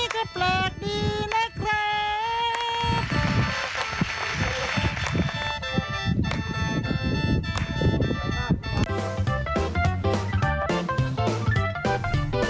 สวัสดีครับ